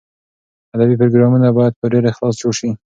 ادبي پروګرامونه باید په ډېر اخلاص جوړ شي.